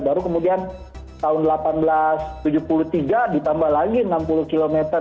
baru kemudian tahun seribu delapan ratus tujuh puluh tiga ditambah lagi enam puluh km